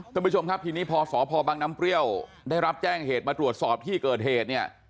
ท่านผู้ชมครับทีนี้พอสพบังน้ำเปรี้ยวได้รับแจ้งเหตุมาตรวจสอบที่เกิดเหตุเนี่ย